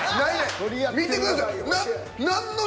見てください。